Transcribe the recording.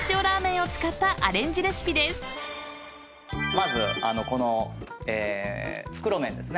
まずこの袋麺ですね。